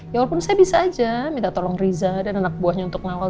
ya walaupun saya bisa aja minta tolong riza dan anak buahnya untuk ngawal